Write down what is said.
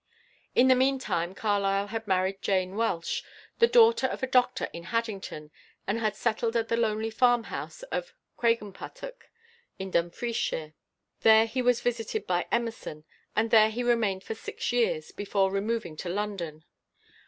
In the meantime Carlyle had married Jane Welsh, the daughter of a doctor in Haddington, and had settled at the lonely farm house of Craigenputtock, in Dumfriesshire. There he was visited by Emerson, and there he remained for six years, before removing to London.